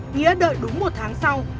nghĩa đợi đúng một tháng sau